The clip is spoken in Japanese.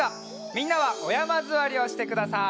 みんなはおやまずわりをしてください。